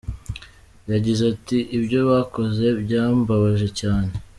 Yagize ati “Ibyo bakoze byambabaje cyane.